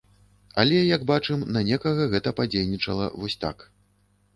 Але, як бачым, на некага гэта падзейнічала вось так.